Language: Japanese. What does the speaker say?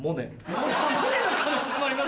モネの可能性もあります？